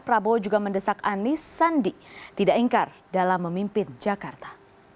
prabowo juga mendesak anis sandi tidak ingkar dalam memimpin jakarta